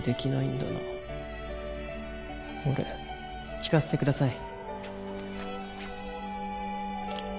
聞かせてください。